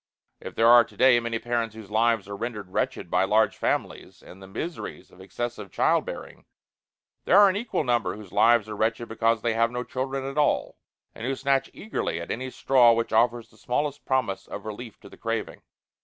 If there are today many parents whose lives are rendered wretched by large families and the miseries of excessive child bearing, there are an equal number whose lives are wretched because they have no children at all, and who snatch eagerly at any straw which offers the smallest promise of relief to the craving.